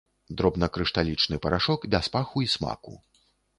Дробнакрышталічны парашок без паху і смаку.